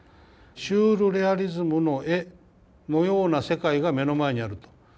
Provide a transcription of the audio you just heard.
シュール・レアリスムの絵のような世界が目の前にあると。